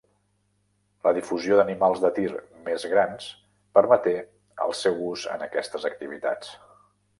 La difusió d'animals de tir més grans permeté el seu ús en aquestes activitats.